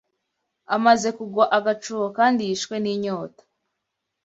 amaze kugwa agacuho kandi yishwe n’inyota